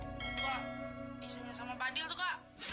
ngebawa hargas sama paddy juga